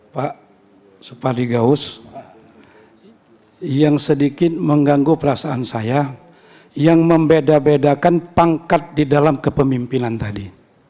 pak supardi gaus yang sedikit mengganggu perasaan saya yang membeda bedakan pangkat di dalam kepemimpinan tadi